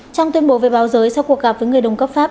trong tuyên bố về báo giới sau cuộc gặp với người đồng cấp pháp